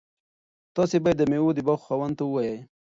تاسي باید د میوو د باغ خاوند ته ووایئ.